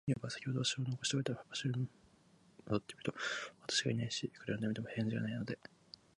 乳母は、さきほど私を残しておいた場所に戻ってみると、私がいないし、いくら呼んでみても、返事がないので、